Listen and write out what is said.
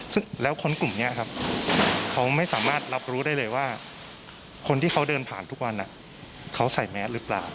ซึ่งแล้วคนกลุ่มนี้ครับเขาไม่สามารถรับรู้ได้เลยว่าคนที่เขาเดินผ่านทุกวันเขาใส่แมสหรือเปล่า